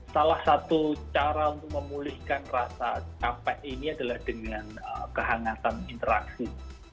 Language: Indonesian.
salah satu cara untuk memulihkan rasa capek ini adalah dengan kehangatan interaksi